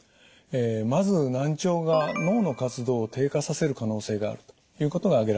まず難聴が脳の活動を低下させる可能性があるということが挙げられます。